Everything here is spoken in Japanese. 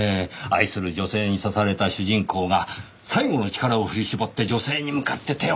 愛する女性に刺された主人公が最後の力を振り絞って女性に向かって手を伸ばす。